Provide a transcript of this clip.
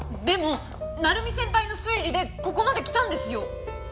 でも鳴海先輩の推理でここまできたんですよ。